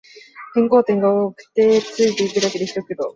変更点が多くてついていくだけでひと苦労